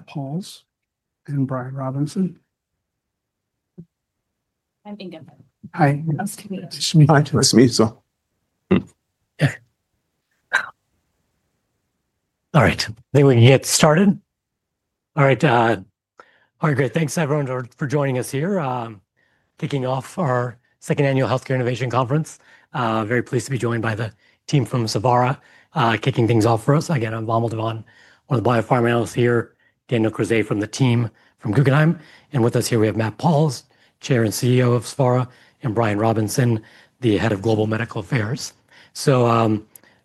Matt Pauls and Brian Robinson. I'm Inga. Hi, nice to meet you. Nice to meet you. All right, I think we can get started. All right. All right, great. Thanks everyone for joining us here. Kicking off our second annual healthcare Innovation conference. Very pleased to be joined by the team from Savara kicking things off for us again. I'm Vamil Devan, the biopharm analyst here, Daniel Krizay from the team from Guggenheim. And with us here we have Matt Pauls, Chair and CEO of Savara, and Brian Robinson, the Head of Global Medical Affairs.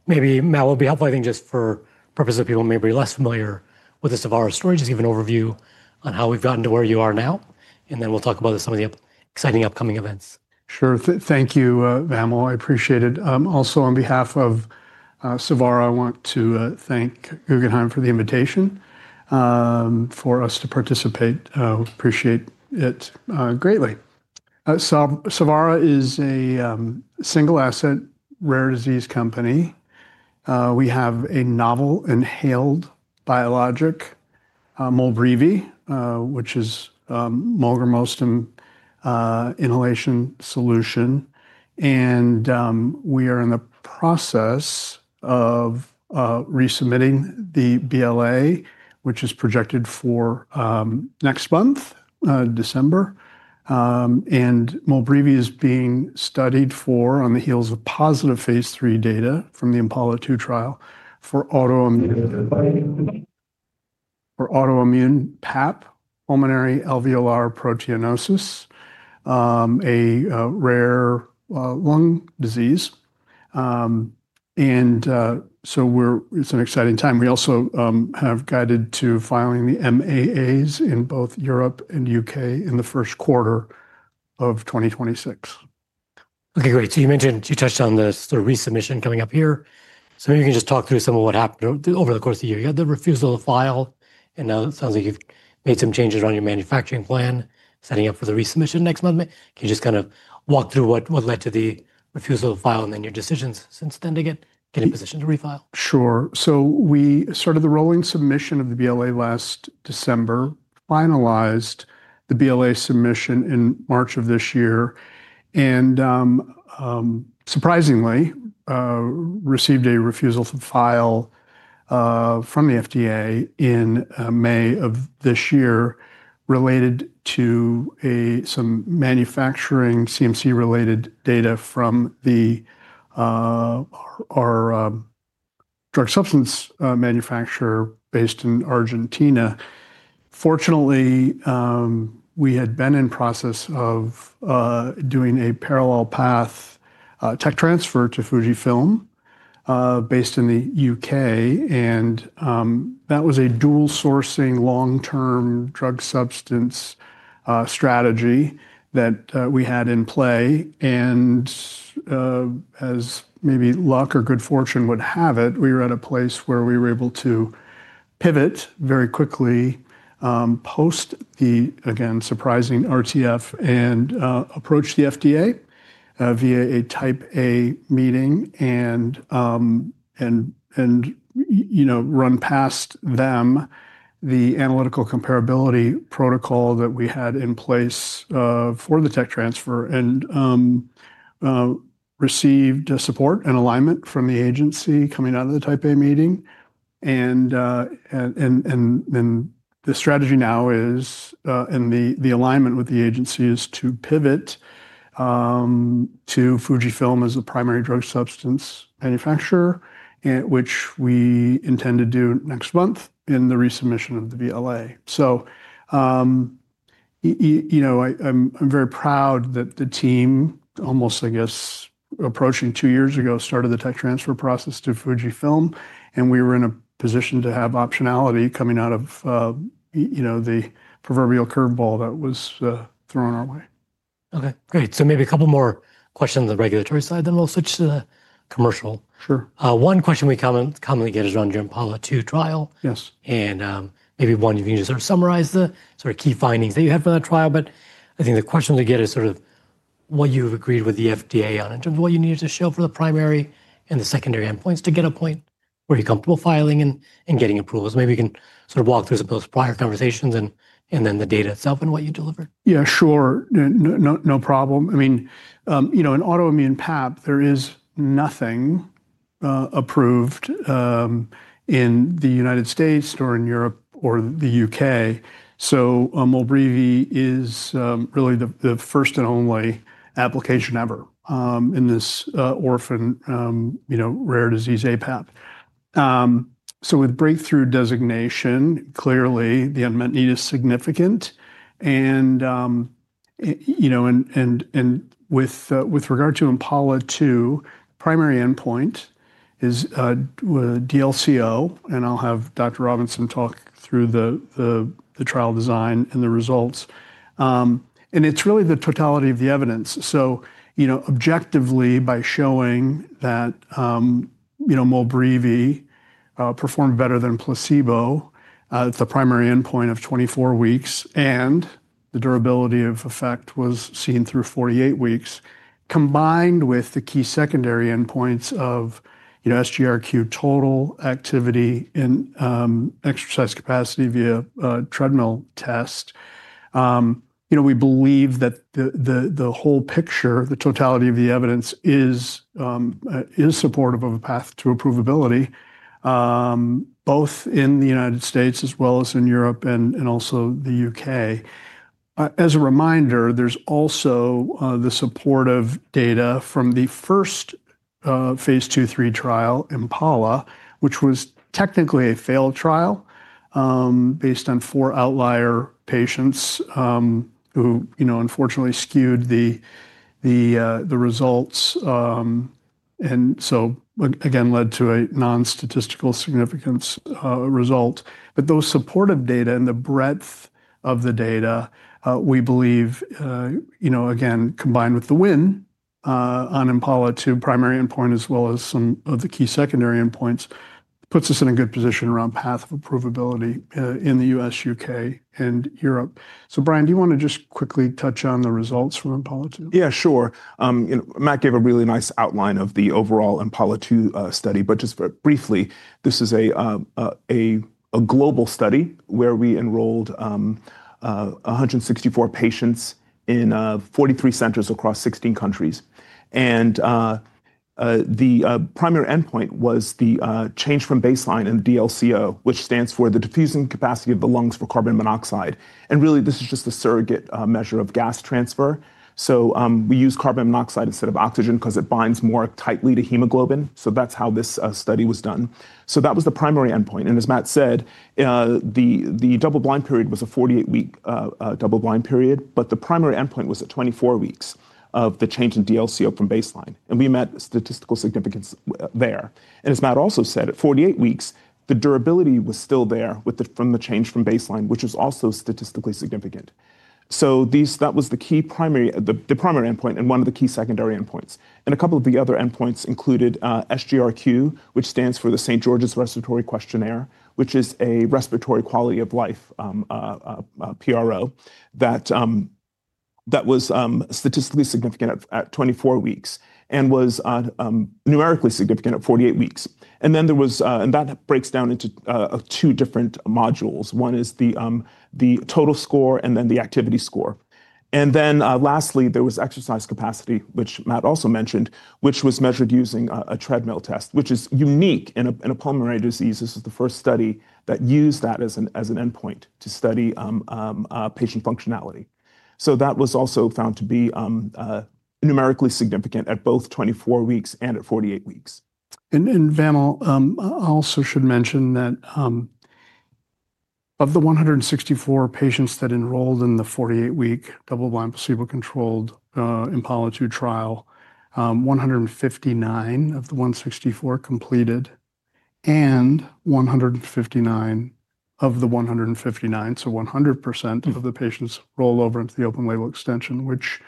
Maybe Matt, it will be helpful, I think just for purposes of people maybe less familiar with the Savara story, just give an overview on how we've gotten to where you are now and then we'll talk about some of the exciting upcoming events. Sure. Thank you, Vamil. I appreciate it. Also, on behalf of Savara, I want to thank Guggenheim for the invitation for us to participate. Appreciate it greatly. Savara is a single asset rare disease company. We have a novel inhaled biologic MOLBREEVI, which is Molgramostim Inhalation Solution. We are in the process of resubmitting the BLA, which is projected for next month, December. MOLBREEVI is being studied for, on the heels of positive phase III data from the IMPALA-2 trial, for autoimmune. For. Autoimmune PAP pulmonary alveolar proteinosis, a rare lung disease. It's an exciting time. We also have guided to filing the MAAs in both Europe and the U.K. in the first quarter of 2026. Okay, great. You mentioned you touched on the resubmission coming up here, so maybe you can just talk through some of what happened over the course of the year. You had the refusal to file and now it sounds like you've made some changes around your manufacturing plan, setting up for the resubmission next month. Can you just kind of walk through what led to the refusal to file and then your decisions since then to get in position to refile? Sure. We started the rolling submission of the BLA last December, finalized the BLA submission in March of this year, and surprisingly received a refusal to file from the FDA in May of this year related to some manufacturing CMC-related data from our drug substance manufacturer based in Argentina. Fortunately, we had been in process of doing a parallel path tech transfer to Fujifilm based in the U.K., and that was a dual sourcing long-term drug substance strategy that we had in play, and as maybe luck or good fortune would have it. We were at a place where we were able to pivot very quickly post the again surprising RTF and approach the FDA via a Type A meeting and run past them the analytical comparability protocol that we had in place for the tech transfer and received support and alignment from the agency coming out of the Type A meeting. The strategy now is, and the alignment with the agency is to pivot to Fujifilm as the primary drug substance manufacturer, which we intend to do next month because in the resubmission of the BLA. You know, I'm very proud that the team almost, I guess approaching two years ago, started the tech transfer process to Fujifilm and we were in a position to have optionality coming out of the proverbial curveball that was thrown our way. Okay, great. Maybe a couple more questions on the regulatory side, then we'll switch to the commercial. Sure. One question we commonly get is around your IMPALA-2 trial and maybe one you can just summarize the sort of key findings that you had from that trial. I think the question to get is sort of what you've agreed with the FDA on in terms of what you needed to show for the primary and the secondary endpoints to get a point where you're comfortable filing and getting approvals. Maybe you can sort of walk through some of those prior conversations and then the data itself and what you delivered. Yeah, sure, no problem. I mean, in autoimmune PAP there is nothing approved in the United States or in Europe or the U.K. MOLBREEVI is really the first and only application ever in this orphan rare disease aPAP. With breakthrough designation, clearly the unmet need is significant. With regard to IMPALA-2, primary endpoint is DLco. I'll have Dr. Robinson talk through the trial design and the results. It's really the totality of the evidence. Objectively, by showing that MOLBREEVI performed better than placebo at the primary endpoint of 24 weeks and the durability of effect was seen through 48 weeks combined with the key secondary endpoints of SGRQ, total activity, and exercise capacity via treadmill test, we believe that the whole picture, the totality of the evidence, is supportive of a path to approvability both in the United States as well as in Europe and also the U.K. As a reminder, there is also the support of data from the first phase 2/3 trial IMPALA, which was technically a failed trial based on four outlier patients who, you know, unfortunately skewed the results and so again led to a non-statistical significance result. Those supportive data and the breadth of the data we believe, you know, again combined with the win on IMPALA-2 primary endpoint as well as some of the key secondary endpoints puts us in a good position around path of approvability in the U.S., U.K., and Europe. Brian, do you want to just quickly touch on the results from IMPALA-2? Yeah, sure. Matt gave a really nice outline of the overall IMPALA-2 study. Just very briefly, this is a global study where we enrolled 164 patients in 43 centers across 16 countries. The primary endpoint was the change from baseline in DLco, which stands for the diffusing capacity of the lungs for carbon monoxide. Really, this is just a surrogate measure of gas transfer. We use carbon monoxide instead of oxygen because it binds more tightly to hemoglobin. That is how this study was done. That was the primary endpoint, and as Matt said, the double-blind period was a 48-week double-blind period. The primary endpoint was at 24 weeks of the change in DLco from baseline. We met statistical significance there. As Matt also said, at 48 weeks the durability was still there from the change from baseline, which was also statistically significant. That was the primary endpoint and one of the key secondary endpoints. A couple of the other endpoints included SGRQ, which stands for the St. George's Respiratory Questionnaire, which is a respiratory quality of life pro that was statistically significant at 24 weeks and was numerically significant at 48 weeks. That breaks down into two different modules. One is the total score and then the activity score. Lastly, there was exercise capacity, which Matt also mentioned, which was measured using a treadmill test, which is unique in a pulmonary diseases. This is the first study that used that as an endpoint to study patient functionality. That was also found to be numerically significant at both 24 weeks and at 48 weeks. Vamil I'll also mention that of the 164 patients that enrolled in the 48 week double blind placebo controlled IMPALA-2 trial, 159 of the 164 completed and 159 of the 159, so 100% of the patients roll over into the open label extension, which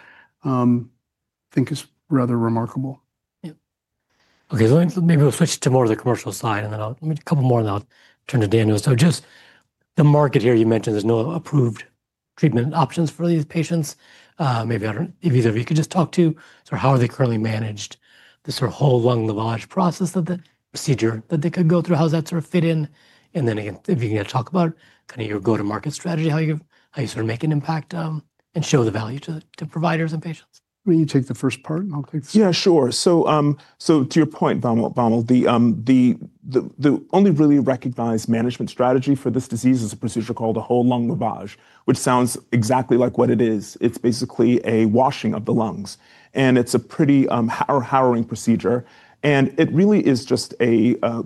I think is rather remarkable. Okay, maybe we'll switch to more of the commercial side and then a couple more and I'll turn to Daniel. Just the market here. You mentioned there's no approved treatment options for these patients. Maybe, I don't know, either you could just talk to how are they currently managed, this sort of whole lung lavage process or the procedure that they could go through, how does that sort of fit in? If you can talk about kind of your go to market strategy, how you sort of make an impact and show the value to providers and patients. Will you take the first part and I'll take. Yeah, sure. To your point, Vamil, the only really recognized management strategy for this disease is a procedure called a whole-lung lavage, which sounds exactly like what it is. It's basically a washing of the lungs and it's a pretty harrowing procedure. It really is just,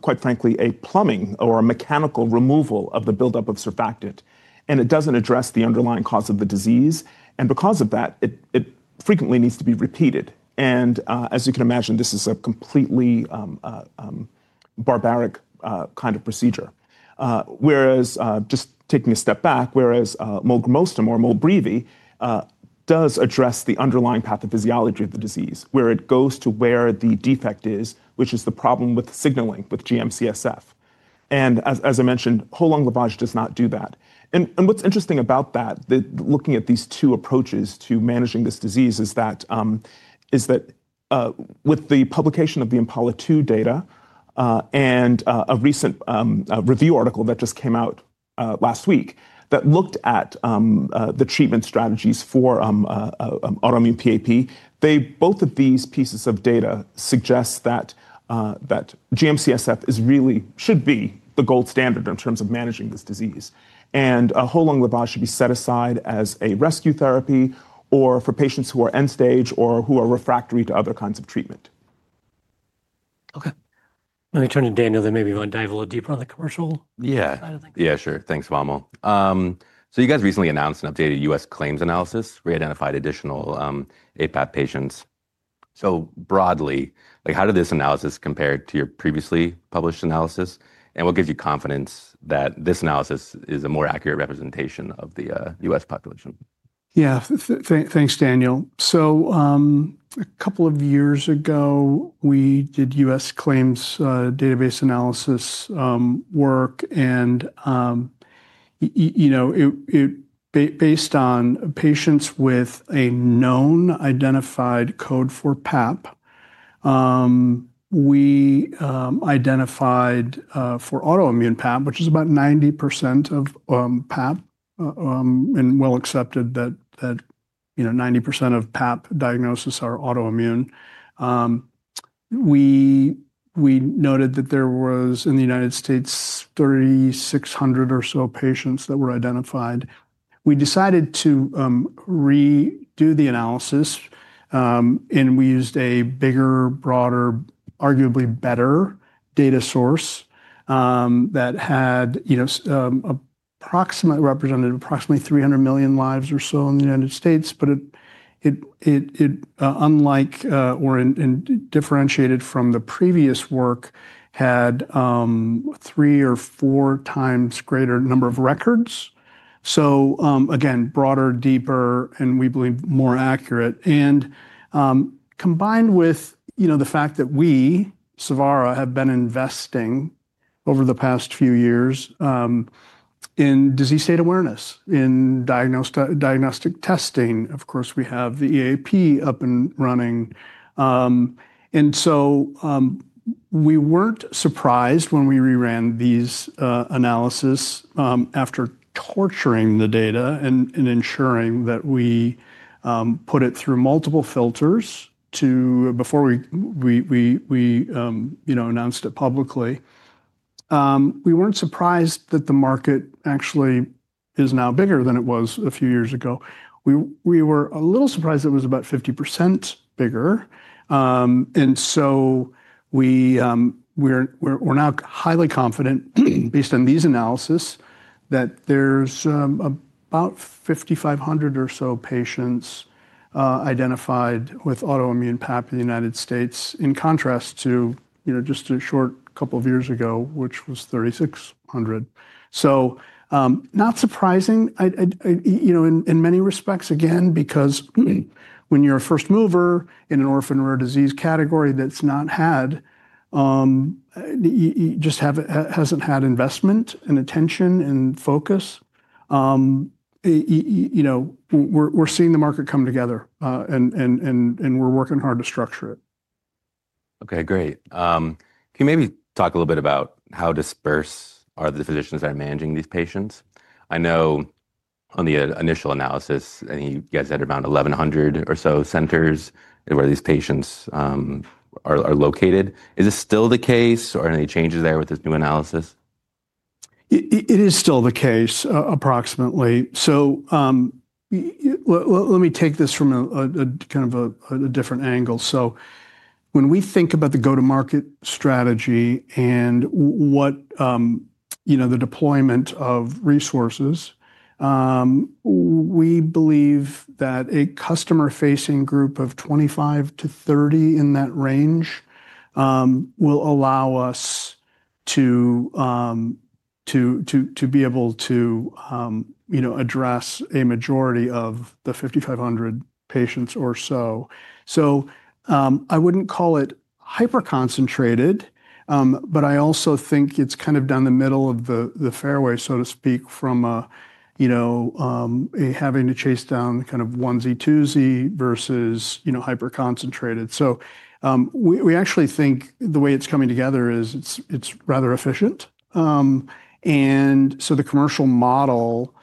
quite frankly, a plumbing or a mechanical removal of the buildup of surfactant. It doesn't address the underlying cause of the disease. Because of that, it frequently needs to be repeated. As you can imagine, this is a completely barbaric kind of procedure. Just taking a step back, Molgramostim or MOLBREEVI does address the underlying pathophysiology of the disease, where it goes to where the defect is, which is the problem with signaling with GM-CSF. As I mentioned, whole lung lavage does not do that. What's interesting about that, looking at these two approaches to managing this disease, is that with the publication of the IMPALA-2 data and a recent review article that just came out last week that looked at the treatment strategies for autoimmune PAP, both of these pieces of data suggest that GM-CSF really should be the gold standard in terms of managing this disease. A whole lung lavage should be set aside as a rescue therapy or for patients who are end stage or who are refractory to other kinds of treatment. Okay, let me turn to Daniel then. Maybe want to dive a little deeper on the commercial? Yeah, yeah, sure. Thanks, Vamil. So you guys recently announced an updated U.S. claims analysis. We identified additional aPAP patients. So broadly, like how did this analysis compare to your previously published analysis? And what gives you confidence that this analysis is a more accurate representation of the U.S. population? Yeah, thanks, Daniel. A couple of years ago we did U.S. claims database analysis work and based on patients with a known identified code for PAP, we identified for autoimmune PAP, which is about 90% of PAP, and it is well accepted that 90% of PAP diagnoses are autoimmune. We noted that there were in the United States 3,600 or so patients that were identified. We decided to redo the analysis and we used a bigger, broader, arguably better data source that had approximately 300 million lives or so in the United States. It, unlike or differentiated from the previous work, had three or four times greater number of records. Again, broader, deeper, and we believe more accurate, and combined with the fact that we, Savara, have been investing over the past few years in disease state awareness in diagnostic testing. Of course we have the EAP up and running. We weren't surprised when we rerun these analyses after torturing the data and ensuring that we put it through multiple filters before we announced it publicly. We weren't surprised that the market actually is now bigger than it was a few years ago. We were a little surprised it was about 50% bigger. We are now highly confident based on these analyses that there's about 5,500 or so patients identified with autoimmune PAP in the United States in contrast to, you know, just a short couple of years ago, which was 3,600. Not surprising, you know, in many respects. Again, because when you're a first mover in an orphan rare disease category that just hasn't had investment and attention and focus, you know, we're seeing the market come together and we're working hard to structure it. Okay, great. Can you maybe talk a little bit about how disperse are the physicians that are managing these patients? I know on the initial analysis you guys had around 1,100 or so centers where these patients are located. Is this still the case or any changes there with this new analysis? It is still the case. Approximately. Let me take this from a different angle. When we think about the go to market strategy and what, you know, the deployment of resources, we believe that a customer facing group of 25-30 in that range will allow us to be able to, you know, address a majority of the 5,500 patients or so. I would not call it hyper concentrated, but I also think it is kind of down the middle of the fairway, so to speak, from, you know, having to chase down kind of onesie twosie versus, you know, hyper concentrated. We actually think the way it is coming together is rather efficient. The commercial model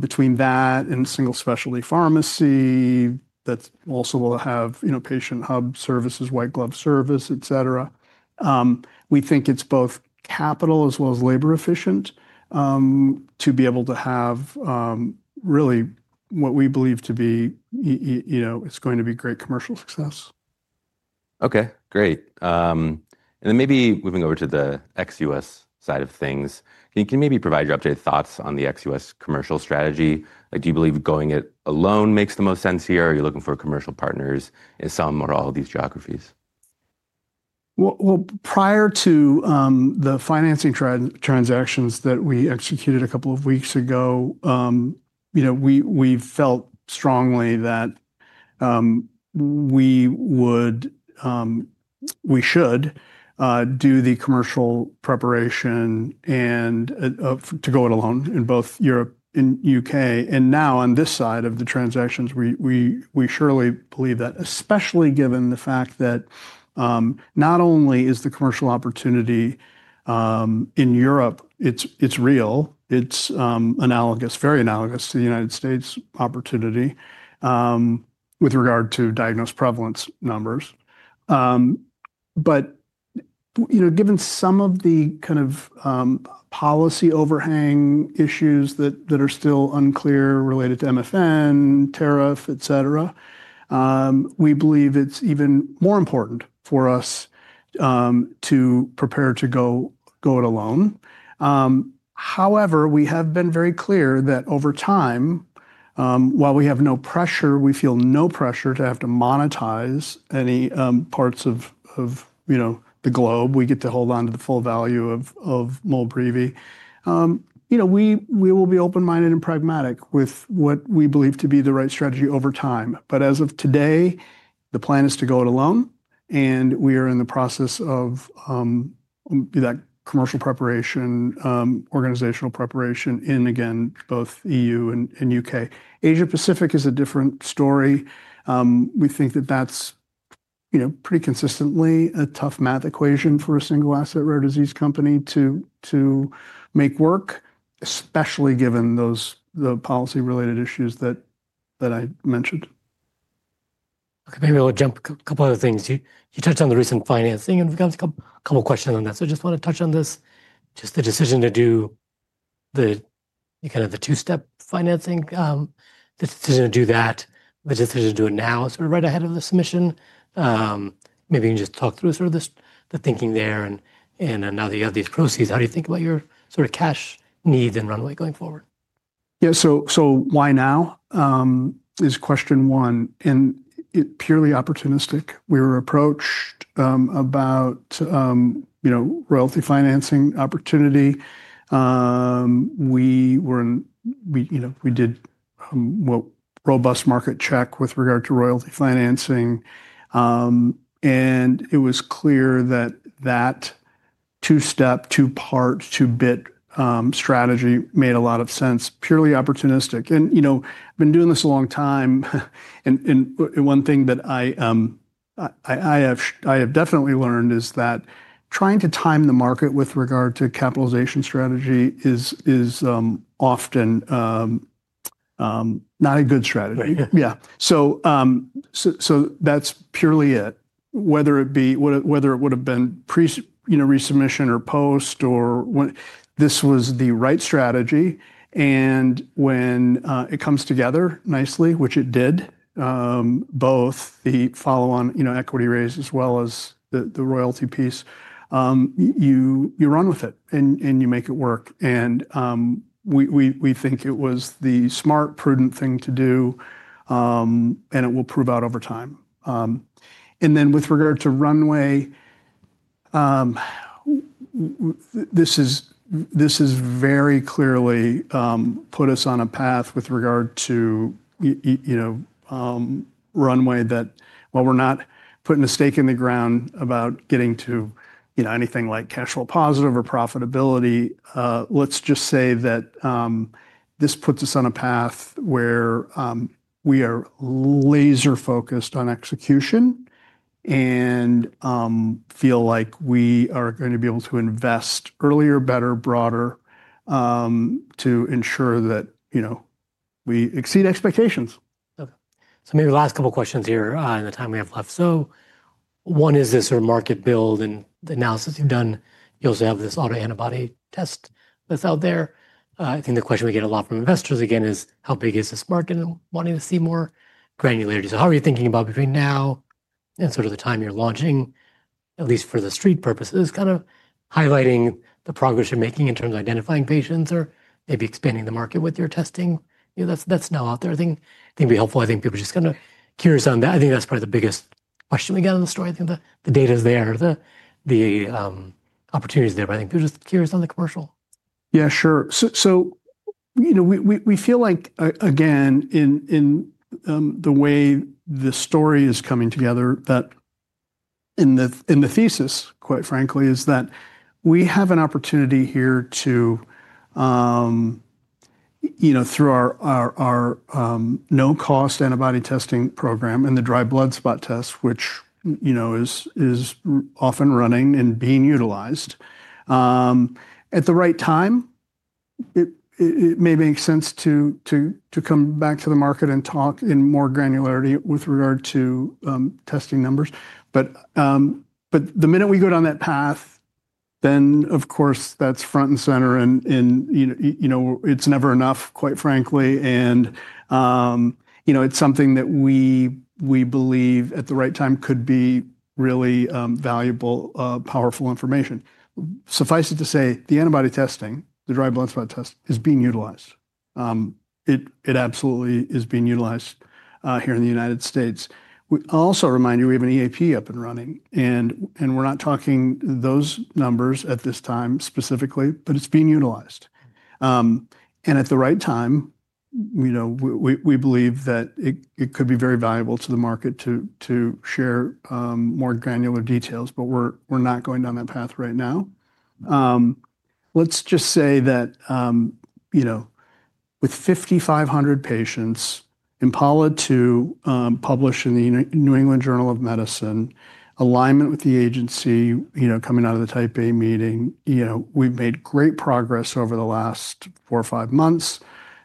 between that and single specialty pharmacy that also will have, you know, patient hub services, white glove service, etc. We think it's both capital as well as labor efficient to be able to have really what we believe to be, you know, it's going to be great commercial success. Okay, great. Maybe moving over to the ex U.S. side of things, can you maybe provide your updated thoughts on the ex U.S. commercial strategy? Do you believe going it alone makes the most sense here? Are you looking for commercial partners in some or all of these geographies? Prior to the financing transactions that we executed a couple of weeks ago, you know, we felt strongly that we would, we should do the commercial preparation and to go it alone in both Europe and the U.K. Now on this side of the transactions, we surely believe that especially given the fact not only is the commercial opportunity in Europe, it's real, it's analogous, very analogous to the United States opportunity with regard to diagnosed prevalence numbers. Given some of the kind of policy overhang issues that are still unclear related to MFN tariff, et cetera, we believe it's even more important for us to prepare to go it alone. However, we have been very clear that over time while we have no pressure, we feel no pressure to have to monetize any parts of the globe, we get to hold on to the full value of MOLBREEVI. We will be open minded and pragmatic with what we believe to be the right strategy over time. As of today the plan is to go it alone and we are in the process of that. Commercial preparation, organizational preparation in again, both EU and U.K. Asia Pacific is a different story. We think that that's pretty consistently a tough math equation for a single asset rare disease company to make work. Especially given the policy-related issues that I mentioned. Maybe I'll jump a couple other things. You touched on the recent financing and we've got a couple questions on that. I just want to touch on this. Just the decision to do the kind of the two step financing, the decision to do that, the decision to do it now sort of right ahead of the submission. Maybe you can just talk through sort of the thinking there. Now that you have these proceeds, how do you think about your sort of cash need and runway going forward? Yeah, so why now is question one and it purely opportunistic. We were approached about, you know, royalty financing opportunity we were in. We, you know, we did robust market check with regard to royalty financing and it was clear that that two step, two part, two bit strategy made a lot of sense. Purely opportunistic and I've been doing this a long time. One thing that I have definitely learned is that trying to time the market with regard to capitalization strategy is often not a good strategy. That's purely it. Whether it would have been pre resubmission or post or this was the right strategy. When it comes together nicely, which it did, both the follow on equity raise as well as the royalty piece, you run with it and you make it work. We think it was the smart, prudent thing to do and it will prove out over time. With regard to Runway, this very clearly put us on a path with regard to, you know, Runway, that while we're not putting a stake in the ground about getting to, you know, anything like cash flow positive or profitability, let's just say that this puts us on a path where we are laser focused on execution and feel like we are going to be able to invest earlier, better, broader to ensure that we exceed expectations. Maybe the last couple questions here in the time we have left, one is this market build and the analysis you've done, you also have this autoantibody test that's out there. I think the question we get a lot from investors again is how big is this market and wanting to see more granularity. How are you thinking about between now and sort of the time you're launching, at least for the street purposes, kind of highlighting the progress you're making in terms of identifying patients or maybe expanding the market with your testing that's now out there? I think it'd be helpful. I think people just kind of curious on that. I think that's probably the biggest question we get on the story. I think the data's there, the opportunity is there. I think they're just curious on the commercial. Yeah, sure. We feel like again, in the way the story is coming together, that in the thesis, quite frankly, is that we have an opportunity here to, through our no cost antibody testing program and the dry blood spot test, which you know, is often running and being utilized. At the right time, it may make sense to come back to the market and talk in more granularity with regard to testing numbers. The minute we go down that path, then of course that's front and center. You know, it's never enough, quite frankly. You know, it's something that we believe at the right time could be really valuable, powerful information. Suffice it to say the antibody testing, the dry blood spot test is being utilized. It absolutely is being utilized here in the United States. We also remind you we have an EAP up and running. And we're not talking those numbers at this time specifically, but it's being utilized. At the right time, we believe that it could be very valuable to the market to share more granular details. We're not going down that path right now. Let's just say that with 5,500 patients, IMPALA-2 published in the New England Journal of Medicine, alignment with the agency coming out of the Type A meeting, you know, we've made great progress over the last four or five months.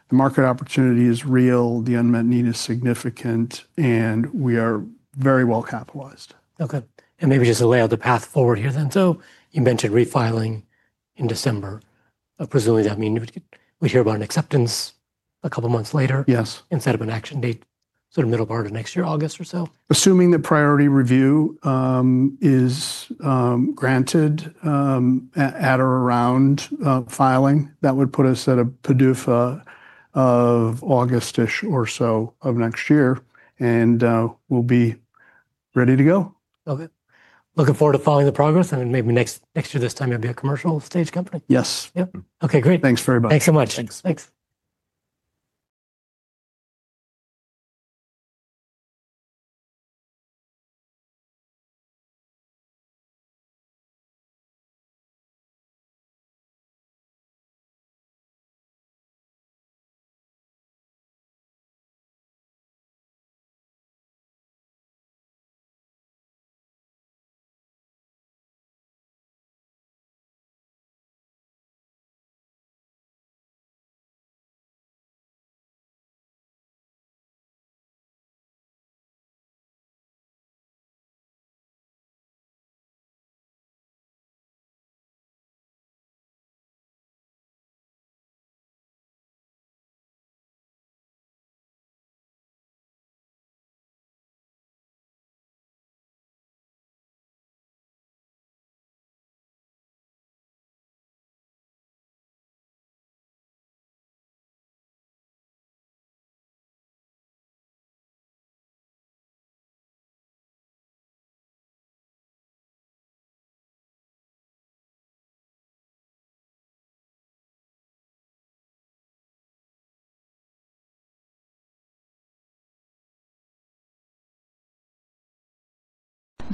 The market opportunity is real, the unmet need is significant, and we are very well capitalized. Okay, and maybe just to lay out the path forward here then. You mentioned refiling in December. Presumably that means we hear about an acceptance a couple months later. Yes. Instead of an action date, sort of middle part of next year, August or so. Assuming that priority review is granted at or around filing, that would put us at a PDUFA of August-ish or so of next year, and we'll be ready to go. Okay. Looking forward to following the progress. Maybe next year, this time you'll be a commercial stage company. Yes. Okay, great. Thanks very much. Thanks so much. Thank you.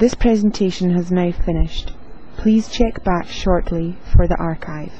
This presentation has now finished. Please check back shortly for the archive.